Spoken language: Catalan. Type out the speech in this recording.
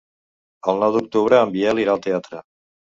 El nou d'octubre en Biel irà al teatre.